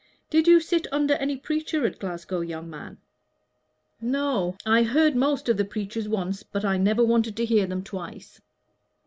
"Did you sit under any preacher at Glasgow, young man?" "No: I heard most of the preachers once, but I never wanted to hear them twice."